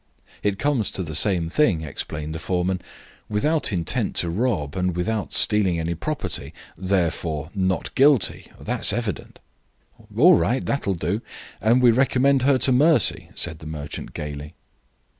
"It comes to the same thing," explained the foreman; "without intent to rob, and without stealing any property. Therefore, 'Not guilty,' that's evident." "All right; that'll do. And we recommend her to mercy," said the merchant, gaily.